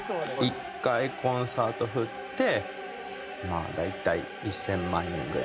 １回コンサート振ってまあ大体１０００万円ぐらい。